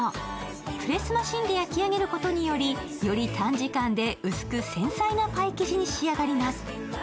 プレスマシンで焼き上げることにより、より短時間で薄く繊細なパイ生地に仕上がります。